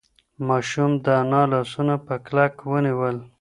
ماشوم د انا لاسونه په کلکه ونیول.